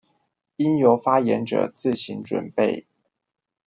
應由發言者自行準備